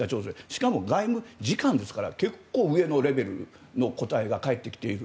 しかも外務次官ですから結構、上のレベルの答えが返ってきている。